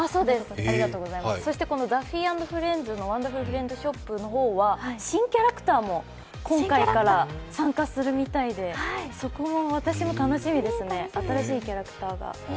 このダッフィー＆フレンズのワンダフル・フレンドシップは新キャラクターも今回から参加するみたいで、そこも私も楽しみですね、新しいキャラクターが。